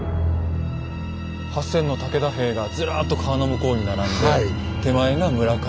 ８，０００の武田兵がずらっと川の向こうに並んで手前が村上。